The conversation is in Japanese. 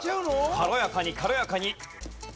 軽やかに軽やかに。